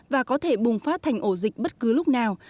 và có thể bùng phát thành ổ dịch bất cứ lúc nào